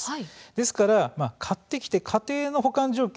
ですから買ってきて家庭での保管状況